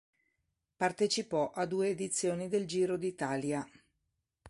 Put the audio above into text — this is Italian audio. Partecipò a due edizioni del Giro d'Italia.